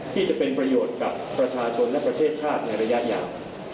ที่จะเป็นประโยชน์กับประชาชนและประเทศชาติในระยะยาว